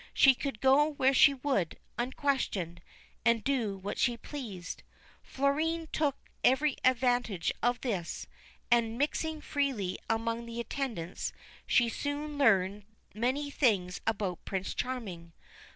She could go where she would, unquestioned, and do what she pleased. Florine took every advantage of this, and, mixing freely among the attendants, she soon learned many things about Prince Charming.